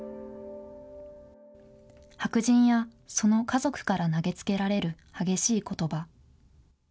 白人やその家族から投げつけられる、激しいことば。